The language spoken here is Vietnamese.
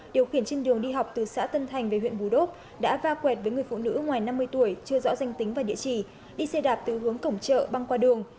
điều khiển trên đường đi học từ xã tân thành về huyện bù đốc đã va quẹt với người phụ nữ ngoài năm mươi tuổi chưa rõ danh tính và địa chỉ đi xe đạp từ hướng cổng chợ băng qua đường